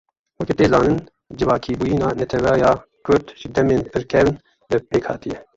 Weke tê zanîn, civakîbûyîna neteweya kurd ji demên pir kevn ve pêk hatiye.